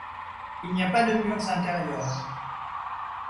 Il n'y a pas de murs intérieurs.